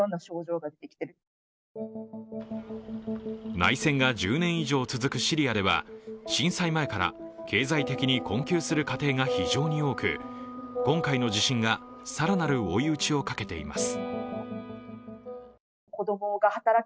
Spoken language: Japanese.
内戦が１０年以上続くシリアでは震災前から経済的に困窮する家庭が非常に多く、今回の地震が更なる追い打ちをかけています。